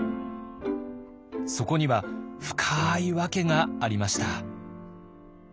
そこには深い訳がありました。